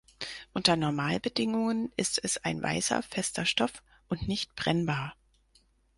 Unter Normalbedingungen ist es ein weißer, fester Stoff und nicht brennbar.